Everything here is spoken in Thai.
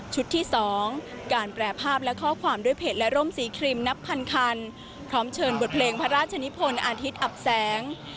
ที่๒การแปรภาพและข้อความด้วยเพจและร่มสีครีมนับพันคันพร้อมเชิญบทเพลงพระราชนิพลอาทิตย์อับแสง